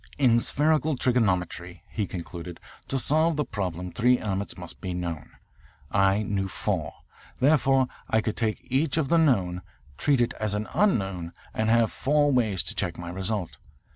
"In spherical trigonometry," he concluded, "to solve the problem three elements must be known. I knew four. Therefore I could take each of the known, treat it as unknown, and have four ways to check my result.